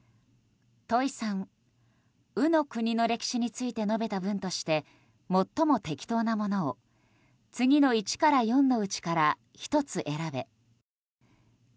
問３、「ウ」の国の歴史について述べた文として最も適当なものを次の１４のうちから１つ選べ。